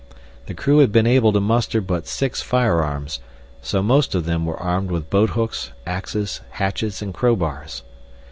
The crew had been able to muster but six firearms, so most of them were armed with boat hooks, axes, hatchets and crowbars.